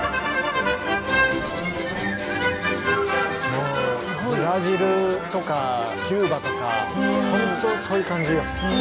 もうブラジルとかキューバとかほんとそういう感じ。